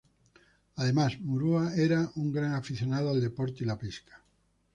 Además, Murua era un gran aficionado al deporte y la pesca.